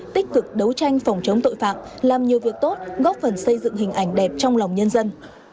tích cực đấu tranh phòng chống tội phạm làm nhiều việc tốt góp phần xây dựng hình ảnh đẹp trong lòng nhân dân